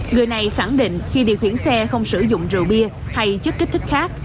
người này khẳng định khi điều khiển xe không sử dụng rượu bia hay chất kích thích khác